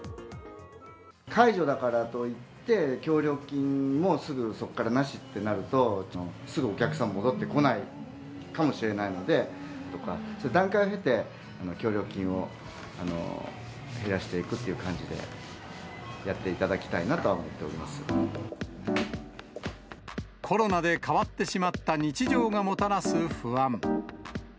解除だからといって、協力金もすぐそこからなしってなると、すぐお客さん戻ってこないかもしれないので、段階を経て、協力金を減らしていくっていう感じでやっていただきたいなとは思コロナで変わってしまった日常がもたらす不安。